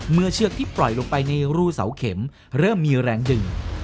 เชือกที่ปล่อยลงไปในรูเสาเข็มเริ่มมีแรงดึง